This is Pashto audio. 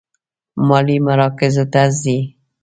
مالي مراکزو ته ځي.